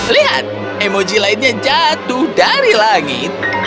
lihat emoji lainnya jatuh dari langit